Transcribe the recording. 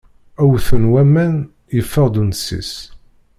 Wwten waman, yeffeɣ-d unsis.